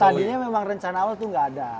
tadinya memang rencana awal tuh gak ada